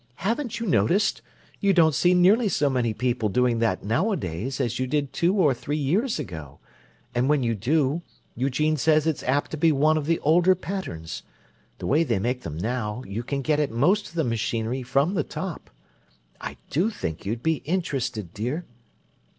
"Haven't you noticed? You don't see nearly so many people doing that nowadays as you did two or three years ago, and, when you do, Eugene says it's apt to be one of the older patterns. The way they make them now, you can get at most of the machinery from the top. I do think you'd be interested, dear."